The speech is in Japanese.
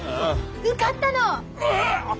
受かったの！え！？